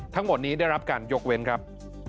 ทั้งหมดนี้ได้รับการยกเว้นครับ